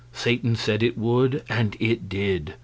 Satan said it would, and it did.